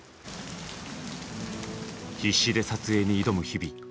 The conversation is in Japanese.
必死で撮影に挑む日々。